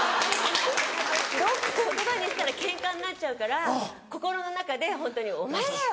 言葉にしたらケンカになっちゃうから心の中でホントにお前だよ！